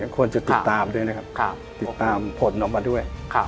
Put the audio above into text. ควรจะติดตามด้วยนะครับติดตามผลออกมาด้วย